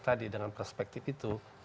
tadi dengan perspektif itu